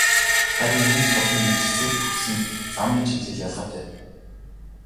Харин ийм цолын ижилсэлд хүрсэн замын чиглэл ялгаатай.